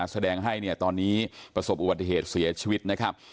แสดงให้เนี่ยตอนนี้ประสบอุบัติเหตุเสียชีวิตนะครับ